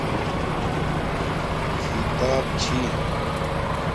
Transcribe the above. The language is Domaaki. کھی تاپ چھݵی